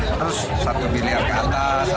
terus satu biliar ke atas